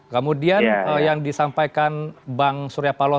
kemudian yang disampaikan bang surya paloh